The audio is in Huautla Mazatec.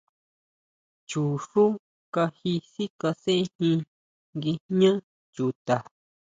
Chuxú kají sikasenjin nguijñá chuta.